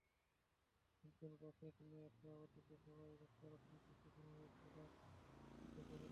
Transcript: আবদুল বাসিত মিয়ার সভাপতিত্বে সভায় বক্তারা দুর্নীতিমুক্ত বাংলাদেশ গড়ার দৃপ্ত শপথ নেন।